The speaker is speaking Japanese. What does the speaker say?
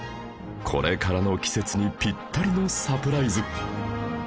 これからの季節にピッタリのサプライズ